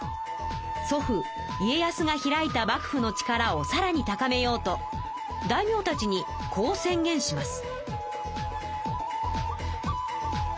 祖父家康が開いた幕府の力をさらに高めようと大名たちにこう宣言します。